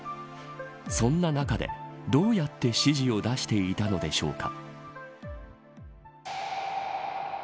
そんな中で、どうやって指示を出していたのでしょうか。